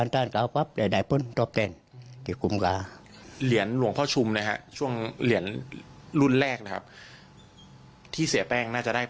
แต่ว่าเสียแวะทักษิตจริงครั้งสุด